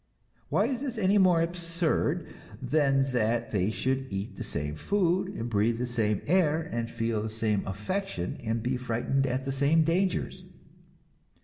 Why is this any more absurd than that they should eat the same food and breathe the same air and feel the same affection and be frightened at the same dangers?